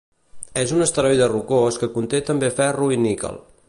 És un asteroide rocós que conté també ferro i níquel.